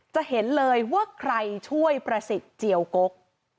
จะเห็นเลยว่าใครช่วยประสิทธิ์เจียวกก